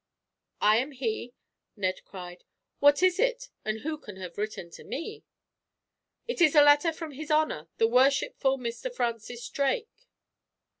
"I am he," Ned cried. "What is it, and who can have written to me?" "It is a letter from His Honor, the Worshipful Mr. Francis Drake."